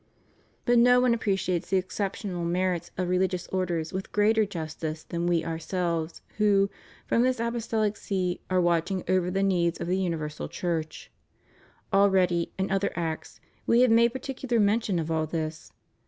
But no one appreciates the exceptional merits of re ligious orders with greater justice than We Ourselvea who, from this Apostolic See, are watching over the needs of the universal Church. Already, in other acts, We have made particular men tion of all this.